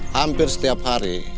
hampir setiap hari